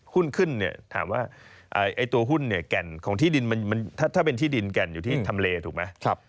หุ้นขึ้นเนี่ยถามว่าตัวหุ้นเนี่ยแก่นของที่ดินถ้าเป็นที่ดินแก่นอยู่ที่ทำเลถูกไหม